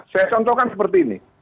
saya contohkan seperti ini